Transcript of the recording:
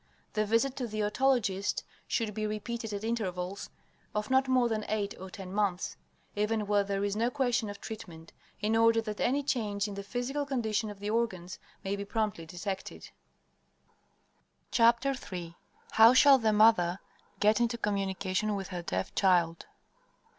The visit to the otologist should be repeated at intervals of not more than eight or ten months, even where there is no question of treatment, in order that any change in the physical condition of the organs may be promptly detected. III HOW SHALL THE MOTHER GET INTO COMMUNICATION WITH HER DEAF CHILD?